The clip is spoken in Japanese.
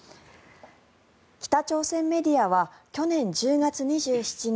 北朝鮮メディアは去年１０月２７日